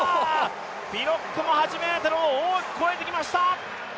ピノックも８ｍを大きく越えてきました。